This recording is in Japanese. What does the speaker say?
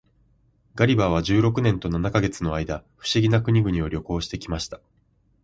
ガリバーは十六年と七ヵ月の間、不思議な国々を旅行して来ました。